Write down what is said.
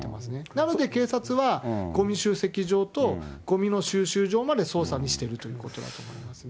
なので、警察は、ごみ集積場と、ごみの収集場まで捜査にしてるということですね。